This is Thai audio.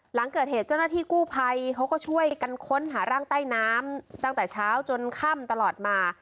หลังเกิดเหตุเจ้าหน้าที่กู้ภัยเขาก็ช่วยกันค้นหาร่างใต้น้ำตั้งแต่เช้าจนค่ำตลอดมา